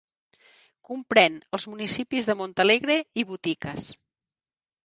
Comprèn els municipis de Montalegre i Boticas.